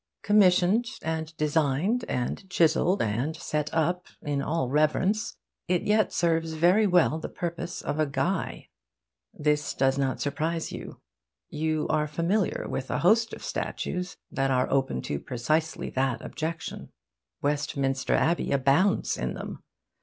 Commissioned and designed and chiselled and set up in all reverence, it yet serves very well the purpose of a guy. This does not surprise you. You are familiar with a host of statues that are open to precisely that objection. Westminster Abbey abounds in them.